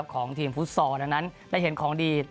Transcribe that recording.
ของทีมฟุตซอลดังนั้นได้เห็นของดี